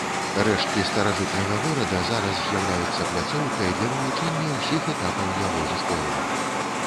Рэшткі старажытнага горада зараз з'яўляюцца пляцоўкай для вывучэння ўсіх этапаў яго гісторыі.